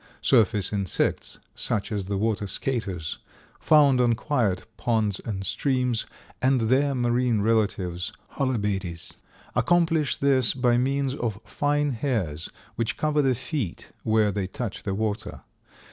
Surface insects, such as the Water Skaters, found on quiet ponds and streams, and their marine relatives, Holobates, accomplish this by means of fine hairs which cover the feet where they touch the water.